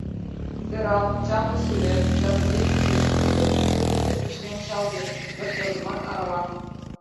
Сӧрал, чапле сӱрет, да туге чучеш, пуйто суксо пӱтынь пычкемышалге пӧрткӧргымат арала.